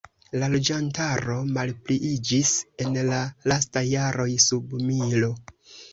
La loĝantaro malpliiĝis en la lastaj jaroj sub milo.